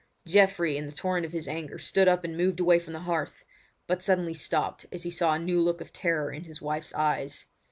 Geoffrey in the torrent of his anger stood up and moved away from the hearth; but suddenly stopped as he saw a new look of terror in his wife's eyes.